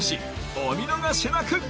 お見逃しなく！